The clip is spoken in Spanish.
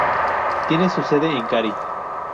Tiene su sede en Cary.